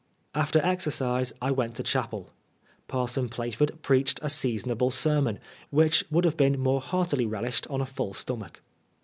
After exercise I went to chapel. Parson Plaford preached a seasonable sermon, which would have been more heartily relished on a full stomach.